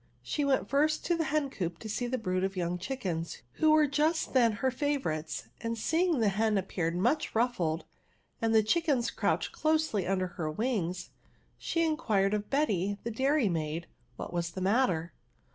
She went first to the hen coop to see the brood of young chickens, who ^re just then her favourites; and seeing the hen appear much ruffled, and the chickens crouched closely under her wings, she inquired of Betty, the dairy maid, what was the matter.